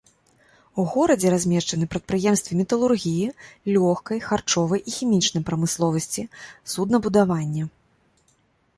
У горадзе размешчаны прадпрыемствы металургіі, лёгкай, харчовай і хімічнай прамысловасці, суднабудавання.